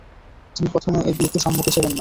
তিনি প্রথমে এ বিয়েতে সম্মত ছিলেন না।